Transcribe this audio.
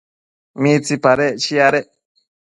¿mitsipadec chiadec